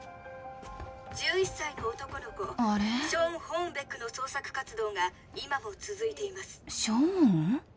１１歳の男の子ショーン・ホーンベックの捜索活動が今も続いています。